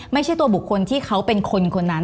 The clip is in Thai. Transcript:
ไม่ใช่ตัวบุคคลที่เขาเป็นคนคนนั้น